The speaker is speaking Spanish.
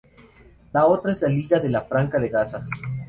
La otra es la Liga de la Franja de Gaza.